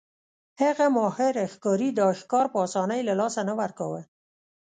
هغه ماهر ښکاري دا ښکار په اسانۍ له لاسه نه ورکاوه.